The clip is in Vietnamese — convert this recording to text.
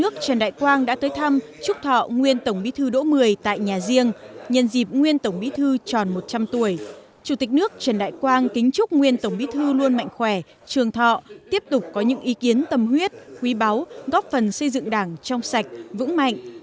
chương trình mời quý vị và các bạn cùng điểm lại một số thông tin đáng chú ý diễn ra trong ngày